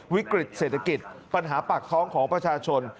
วิกฤตเศรษฐกิจปัญหาปากท้องของประชาชน